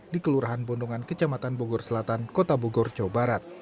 di kelurahan bondongan kecamatan bogor selatan kota bogor jawa barat